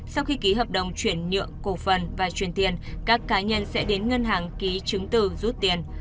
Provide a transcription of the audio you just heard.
sau khi ký hợp đồng chuyển nhượng cổ phần và truyền tiền các cá nhân sẽ đến ngân hàng ký chứng từ rút tiền